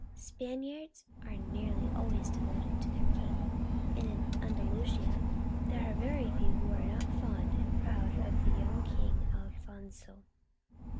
Spaniards are nearly always devoted to their king, and in Andalusia there are very few who are not fond and proud of the young King Alphonso.